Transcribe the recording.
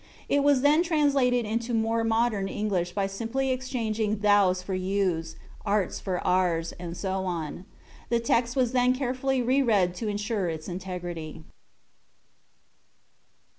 It was then translated into more modern English by simply exchanging 'Thou' s for 'You's, 'Art's for 'Are's, and so forth. The text was then carefully re read to ensure its integrity.